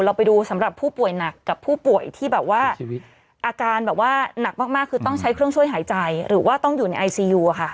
ไปดูสำหรับผู้ป่วยหนักกับผู้ป่วยที่แบบว่าอาการแบบว่าหนักมากคือต้องใช้เครื่องช่วยหายใจหรือว่าต้องอยู่ในไอซียูอะค่ะ